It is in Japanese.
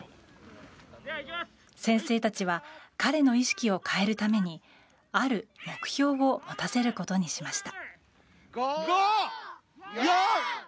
先生たちは彼の意識を変えるためにある目標を持たせることにしました。